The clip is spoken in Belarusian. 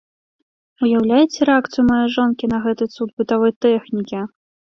Уяўляеце рэакцыю маёй жонкі на гэты цуд бытавой тэхнікі!